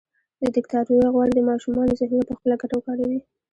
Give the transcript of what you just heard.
دیکتاتوري غواړي د ماشومانو ذهنونه پخپله ګټه وکاروي.